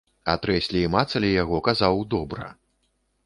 А трэслі і мацалі яго, казаў, добра.